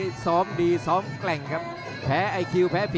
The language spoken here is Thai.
อื้อหือจังหวะขวางแล้วพยายามจะเล่นงานด้วยซอกแต่วงใน